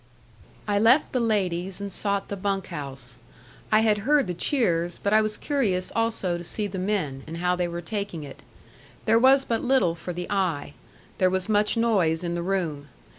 I left the ladies, and sought the bunk house. I had heard the cheers, but I was curious also to see the men, and how they were taking it. There was but little for the eye. There was much noise in the room.